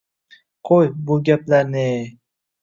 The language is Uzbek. Qo`y, bu gaplarni-e